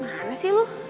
mana sih lu